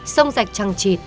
sông rạch trăng trịt